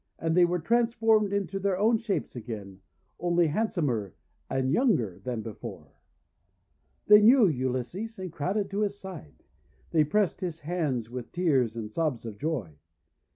And they were transformed into their own shapes again, only handsomer and younger than before. They knew Ulysses, and crowded to his side. They pressed his hands with tears and sobs of joy.